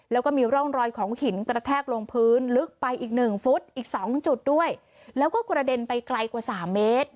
แล้วก็มีร่องรอยของหินกระแทกลงพื้นลึกไปอีกหนึ่งฟุตอีกสองจุดด้วยแล้วก็กระเด็นไปไกลกว่าสามเมตร